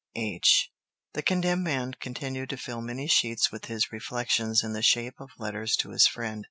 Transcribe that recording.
H." The condemned man continued to fill many sheets with his reflections in the shape of letters to his friend.